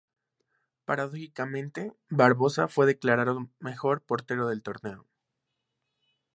Paradójicamente, Barbosa fue declarado mejor portero del torneo.